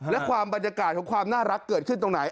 และความบรรยากาศของความน่ารักเกิดขึ้นตรงไหน